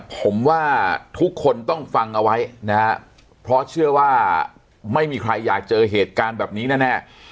ผมว่าทุกคนต้องฟังเอาไว้นะฮะเพราะเชื่อว่าไม่มีใครอยากเจอเหตุการณ์แบบนี้แน่